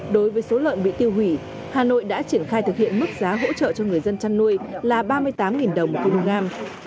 đối với số lợn bị tiêu hủy hà nội đã triển khai thực hiện mức giá hỗ trợ cho người dân chăn nuôi là ba mươi tám đồng một kg